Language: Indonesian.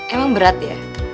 emang berat ya